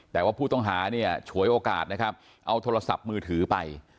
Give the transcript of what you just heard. แต่ว่าผู้ต้องหาเนี่ยฉวยโอกาสนะครับเอาโทรศัพท์มือถือไป